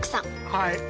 はい。